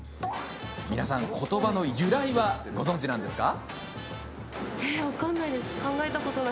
皆さん、ことばの由来はご存じなんですか？